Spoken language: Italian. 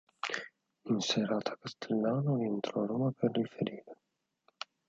In serata Castellano rientrò a Roma per riferire.